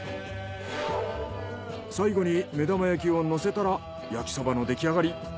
最後に目玉焼きを乗せたら焼きそばの出来上がり。